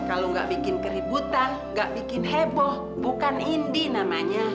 kalau nggak bikin keributan gak bikin heboh bukan indi namanya